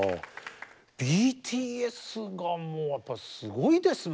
ＢＴＳがもうやっぱりすごいですもんね。